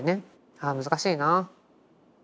ああ難しいなぁ。